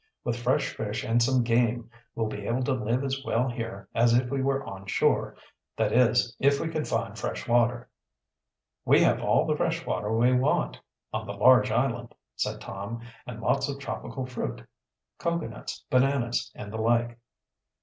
With fresh fish and some game we'll be able to live as well here as if we were on shore, that is, if we can find fresh water." "We have all the fresh water we want, on the large island," said Tom. "And lots of tropical fruit cocoanuts, bananas, and the like."